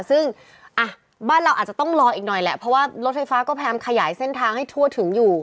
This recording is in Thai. ซึ่งบ้านเราอาจจะต้องรออีกหน่อยแหละเพราะว่ารถไฟฟ้าก็พยายามขยายเส้นทางให้ทั่วถึงอยู่